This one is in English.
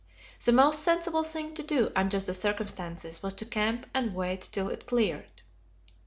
The most sensible thing to do, under the circumstances, was to camp and wait till it cleared.